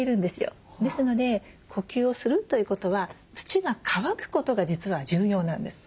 ですので呼吸をするということは土が乾くことが実は重要なんです。